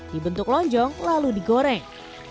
dibentuk lonjong lalu digoreng